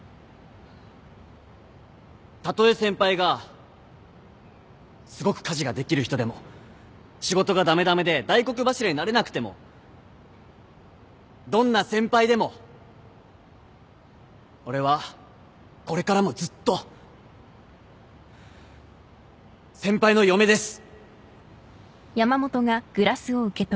たとえ先輩がすごく家事ができる人でも仕事が駄目駄目で大黒柱になれなくてもどんな先輩でも俺はこれからもずっと先輩の嫁です！